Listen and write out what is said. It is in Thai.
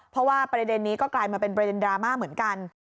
เพราะว่าประเด็นนี้ก็กลายมาเป็นประเด็นดราม่าเหมือนกัน